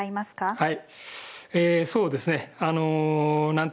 はい。